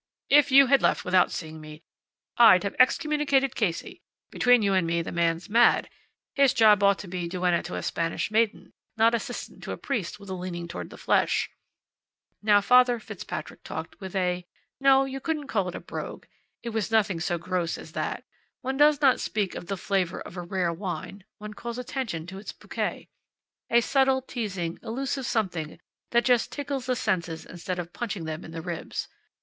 "If you had left without seeing me I'd have excommunicated Casey. Between you and me the man's mad. His job ought to be duenna to a Spanish maiden, not assistant to a priest with a leaning toward the flesh." Now, Father Fitzpatrick talked with a no, you couldn't call it a brogue. It was nothing so gross as that. One does not speak of the flavor of a rare wine; one calls attention to its bouquet. A subtle, teasing, elusive something that just tickles the senses instead of punching them in the ribs.